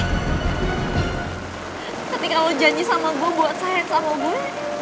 ketika lo janji sama gue buat sehat sama gue